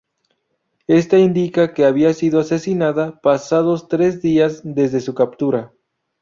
Esta indica que había sido asesinada pasados tres días desde su captura.